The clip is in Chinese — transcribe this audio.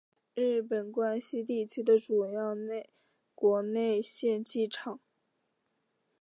日本关西地区的主要国内线机场。